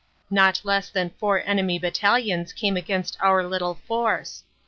Not less than four enemy battalions came against our little force.